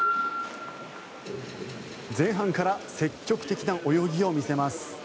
前半から積極的な動きを見せます。